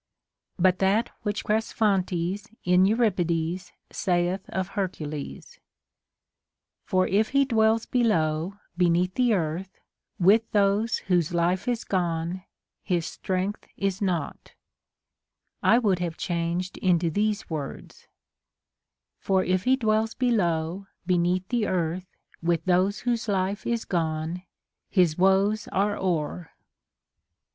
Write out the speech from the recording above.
But that which Cresphontes in Euripides saith of Hercules, — For if he dwells below, beneath the earth, With those whose life is gone, his strength is nought, I would have changed into these words, — For if he dwells below, beneath the earth, With those whose life is gone, his woes are o'er.